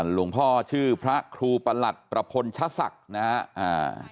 พ่อชื่อพระครูประหลัดประพลชศักดิ์นะฮะอ่า